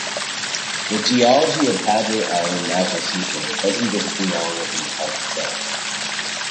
The geology of Padre Island National Seashore doesn't just belong within the park itself.